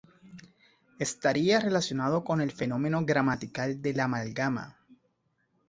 Estaría relacionado con el fenómeno gramatical de la amalgama.